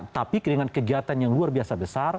tapi dengan kegiatan yang luar biasa besar